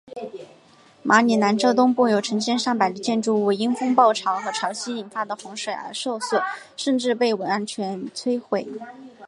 马里兰州东部有成百上千的建筑物因风暴潮和潮汐引发的洪水而受损甚至完全被摧毁。